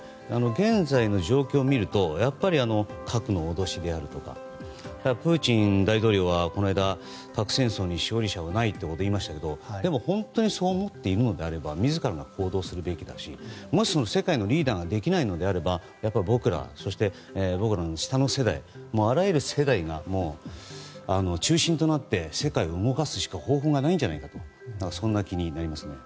現在の状況を見るとやっぱり核の脅しであるとかプーチン大統領はこの間、核戦争に勝利者はいないと言いましたけれども本当にそう思っているのであれば自らが行動するべきだしましてや、世界のリーダーができないのであれば僕ら、そして僕らの下の世代あらゆる世代が中心となって世界を動かすしか方法がないんじゃないかとそんな気になりますね。